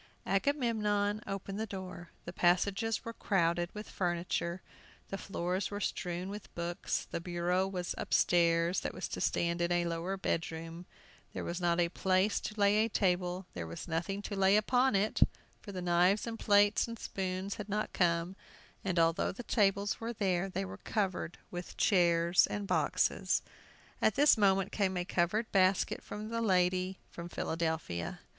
Agamemnon opened the door. The passages were crowded with furniture, the floors were strewn with books; the bureau was upstairs that was to stand in a lower bedroom; there was not a place to lay a table, there was nothing to lay upon it; for the knives and plates and spoons had not come, and although the tables were there they were covered with chairs and boxes. At this moment came a covered basket from the lady from Philadelphia.